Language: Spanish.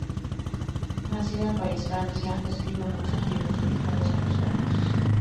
Nacido en París, Francia, escribió muchos libros dedicados a los gatos.